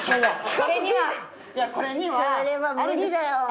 それは無理だよ。